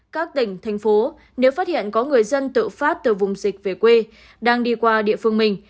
các tỉnh thành phố nếu phát hiện có người dân tự phát từ vùng dịch về quê đang đi qua địa phương mình